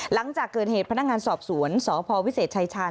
หลังจากเกิดเหตุพนักงานสอบสวนสพวิเศษชายชาญ